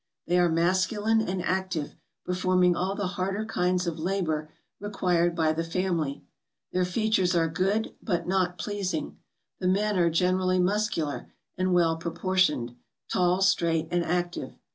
They are mas j culine and active, performing all the harder kinds : of labour required by the family. Their features are good, but not pleasing. The men are gener¬ ally muscular, and well proportioned; tall, straight, and active.